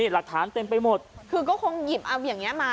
หลักฐานเต็มไปหมดคือก็คงหยิบเอาอย่างนี้มา